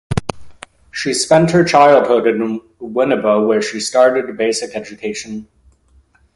She spent her childhood in Winneba where she started basic education.